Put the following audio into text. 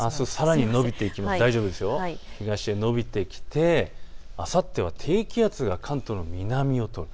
これがあすさらに東へ延びてきてあさっては低気圧が関東の南を通る。